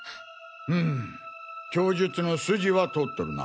うむ供述の筋は通っとるな。